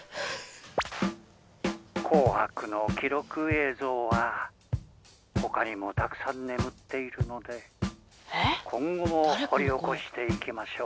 「『紅白』の記録映像はほかにもたくさん眠っているので今後も掘り起こしていきましょう」。